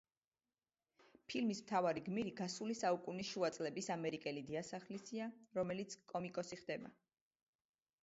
ფილმის მთავარი გმირი გასული საუკუნის შუა წლების ამერიკელი დიასახლისია, რომელიც კომიკოსი ხდება.